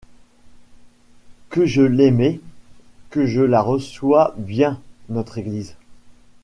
Que je l’aimais, que je la revois bien, notre Église!